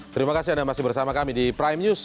terima kasih anda masih bersama kami di prime news